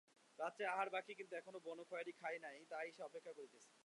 রাত্রের আহার বাকি, কিন্তু এখনো বনোয়ারি খায় নাই, তাই সে অপেক্ষা করিতেছে।